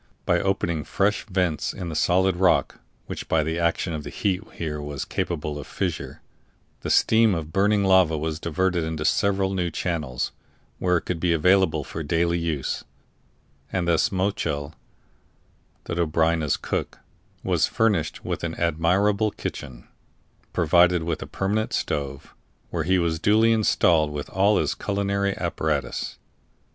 By opening fresh vents in the solid rock (which by the action of the heat was here capable of fissure) the stream of burning lava was diverted into several new channels, where it could be available for daily use; and thus Mochel, the Dobryna's cook, was furnished with an admirable kitchen, provided with a permanent stove, where he was duly installed with all his culinary apparatus.